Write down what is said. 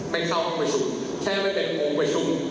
ไม่เข้าคุมประชุม